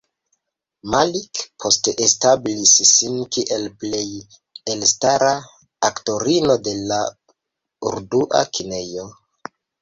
Malik poste establis sin kiel plej elstara aktorino de la urdua kinejo.